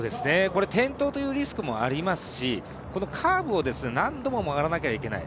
転倒というリスクもありますし、このカーブを何度も曲がらなきゃいけない。